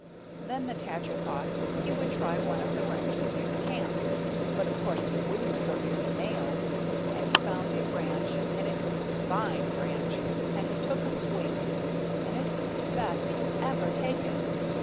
Then the Tadger thought he would try one of the branches near the Camp, but of course he wouldn't go near the nails, and he found a branch, and it was a fine branch, and he took a swing, and it was the best he'd ever taken.